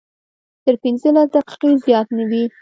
تر پنځلس دقیقې زیات نه وي.